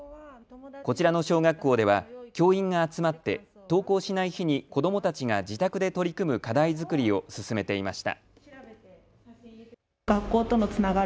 こちらの小学校では教員が集まって登校しない日に子どもたちが自宅で取り組む課題作りを進めていました。